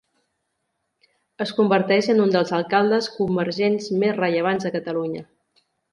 Es converteix en un dels alcaldes convergents més rellevants a Catalunya.